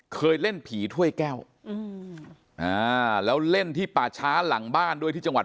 เคยเล่นผีถ้วยแก้วอืมอ่าแล้วเล่นที่ป่าช้าหลังบ้านด้วยที่จังหวัด